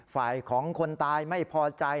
ฝ่ายของคนตายไม่พอใจ